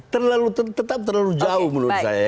terlalu tetap terlalu jauh menurut saya